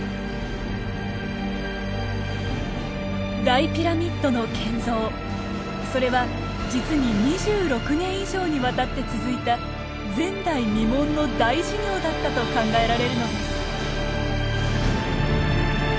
大ピラミッドの建造それは実に２６年以上にわたって続いた前代未聞の大事業だったと考えられるのです。